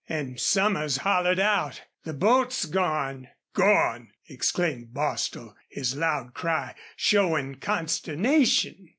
An' Somers hollered out, 'The boat's gone!'" "Gone!" exclaimed Bostil, his loud cry showing consternation.